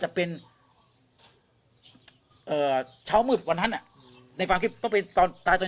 จะเป็นเอ่อเช้ามืดวันนั้นอ่ะในความคิดก็เป็นตอนตายตอน